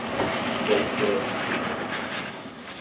Selbstverst